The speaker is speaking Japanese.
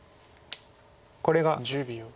これが。